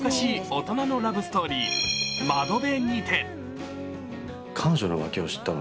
大人のラブストーリー「窓辺にて」。